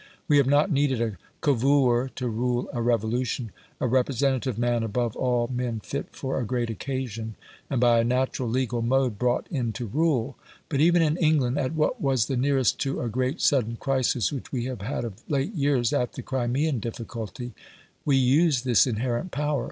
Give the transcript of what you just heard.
We have not needed a Cavour to rule a revolution a representative man above all men fit for a great occasion, and by a natural legal mode brought in to rule. But even in England, at what was the nearest to a great sudden crisis which we have had of late years at the Crimean difficulty we used this inherent power.